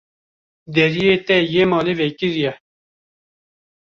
Deriyê te yê malê vekirî ye.